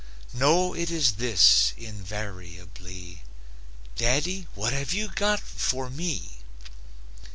No, it is this, invariably: "Daddy, what have you got for me?"